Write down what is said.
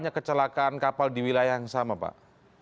ada kecelakaan kapal di wilayah yang sama pak